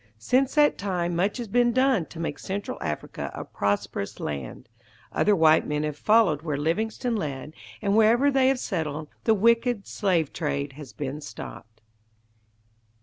Since that time much has been done to make Central Africa a prosperous land. Other white men have followed where Livingstone led, and wherever they have settled, the wicked slave trade has been stopped.